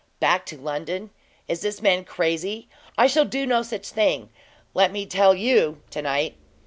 "Back to London? Is the man crazy? I shall do no such thing, let me tell you, to night."